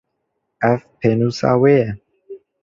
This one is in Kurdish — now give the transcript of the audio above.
Ev, pênûsa wê ye.